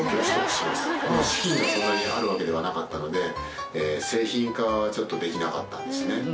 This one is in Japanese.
でも資金がそんなにあるわけではなかったので製品化はちょっとできなかったんですね。